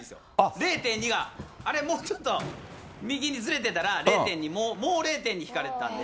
０．２が、あれ、もうちょっと右にずれてたら、０．２、もう０．２引かれてたんで。